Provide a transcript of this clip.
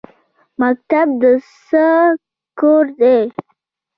مکتب د څه کور دی؟